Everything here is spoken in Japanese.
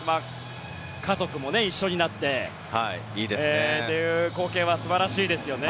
家族も一緒になってという光景は素晴らしいですよね。